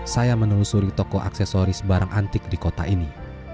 saya menelusuri toko aksesoris barang antik di kota ini